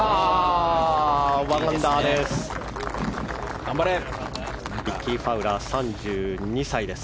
１アンダーです。